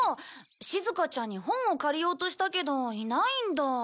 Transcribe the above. しずかちゃんに本を借りようとしたけどいないんだ。